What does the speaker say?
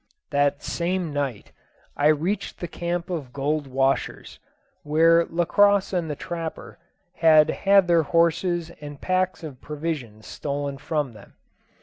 That same night I reached the camp of gold washers, where Lacosse and the trapper had had their horses and packs of provisions stolen from them.